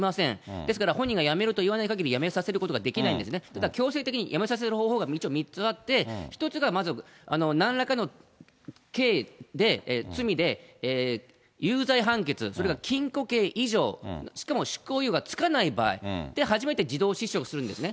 ですから本人が辞めると言わないかぎり、辞めさせることはできないんですね、ただ、強制的に辞めさせる方法が一応３つあって、１つがまずなんらかの刑で、罪で、有罪判決、それか禁錮刑以上、しかも執行猶予が付かない場合で、初めて自動失職するんですね。